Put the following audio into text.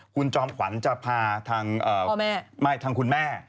คุณจอมขวัญจะพาทางคุณแม่